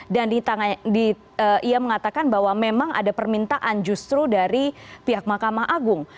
dan dia mengatakan bahwa memang ada permintaan justru dari pihak makam agung